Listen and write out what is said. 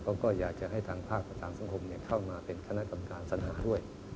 ก็อยากจะให้ทางภาคประสานสังคมเข้ามาเป็นคณะกรรมการสนาด้วย